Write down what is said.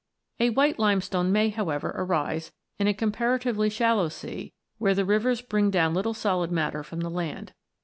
A white limestone may, however, arise in a compara tively shallow sea, where the rivers bring down little solid matter from the land.